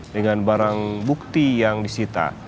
dengan barang bukti yang disita